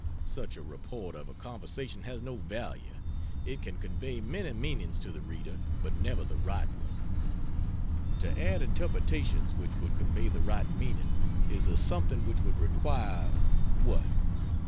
Such a report of a conversation has no value. It can convey many meanings to the reader, but never the right one. To add interpretations which would convey the right meaning is a something which would require what?